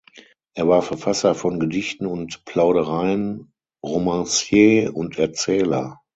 Er war Verfasser von Gedichten und Plaudereien, Romancier und Erzähler.